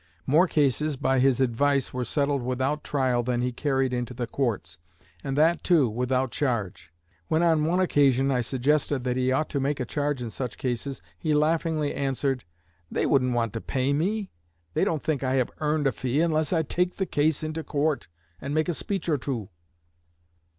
More cases, by his advice, were settled without trial than he carried into the courts; and that, too, without charge. When on one occasion I suggested that he ought to make a charge in such cases, he laughingly answered, 'They wouldn't want to pay me; they don't think I have earned a fee unless I take the case into court and make a speech or two.'